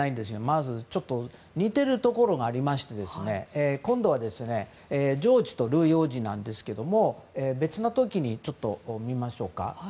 まず、似てるところがありまして今度はジョージとルイ王子なんですが別の時のを見ましょうか。